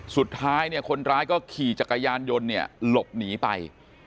สุดท้ายคนร้ายก็ขี่จักรยานยนต์หลบหนีไป